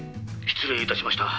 「失礼いたしました」